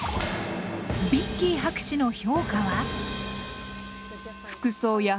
ヴィッキー博士の評価は？